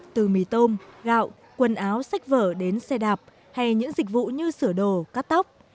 từ mì tôm gạo quần áo sách vở đến xe đạp hay những dịch vụ như sửa đồ cắt tóc